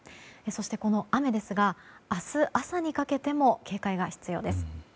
そしてこの雨ですが明日朝にかけても警戒が必要です。